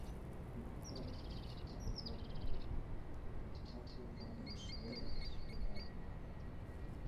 We stopped at the crossroads, uncertain which way to turn